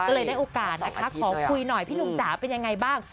ก็เลยได้โอกาสนะคะขอคุยหน่อยพี่หนุ่มจ๋าเป็นยังไงบ้าง